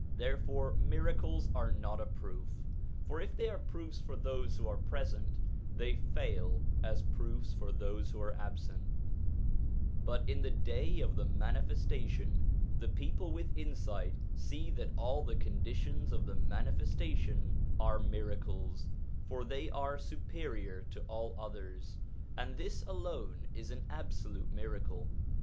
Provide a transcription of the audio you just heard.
Therefore miracles are not a proof. For if they are proofs for those who are present, they fail as proofs to those who are absent, But in the day of the Manifestation the people with insight see that all the conditions of the Manifestation are miracles, for they are superior to all others, and this alone is an absolute miracle.